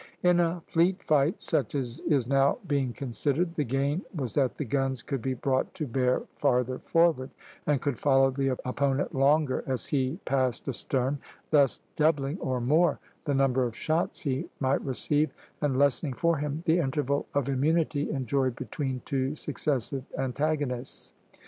In a fleet fight, such as is now being considered, the gain was that the guns could be brought to bear farther forward, and could follow the opponent longer as he passed astern, thus doubling, or more, the number of shots he might receive, and lessening for him the interval of immunity enjoyed between two successive antagonists.